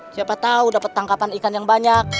siapa tahu dapat tangkapan ikan yang banyak